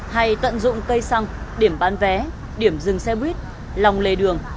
hay tận dụng cây xăng điểm bán vé điểm dừng xe buýt lòng lề đường